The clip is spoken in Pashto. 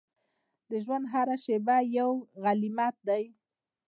د ژوند هره شېبه یو غنیمت ده.